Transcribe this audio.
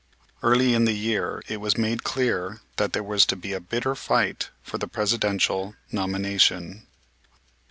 Early in the year it was made clear that there was to be a bitter fight for the Presidential nomination.